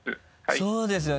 そうですよね。